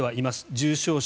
重症者。